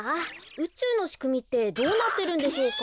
うちゅうのしくみってどうなってるんでしょうか？